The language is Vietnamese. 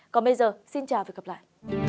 còn bây giờ xin chào và hẹn gặp lại